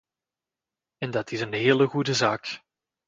En dat is een hele goede zaak.